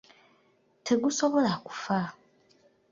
Tegusobola kufa.